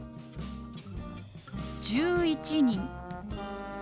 「１１人」。